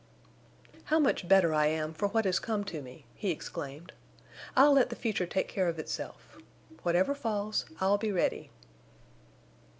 "How much better I am for what has come to me!" he exclaimed. "I'll let the future take care of itself. Whatever falls, I'll be ready."